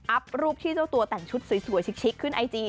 รูปที่เจ้าตัวแต่งชุดสวยชิคขึ้นไอจี